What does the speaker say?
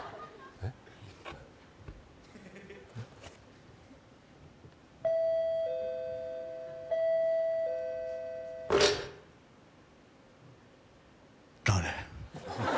えっ誰？